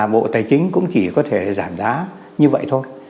bộ tài chính cũng chỉ có thể giảm giá như vậy thôi